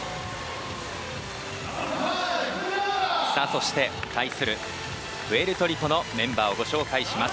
そして、対するプエルトリコのメンバーをご紹介します。